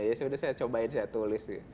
sebenarnya saya coba saya tulis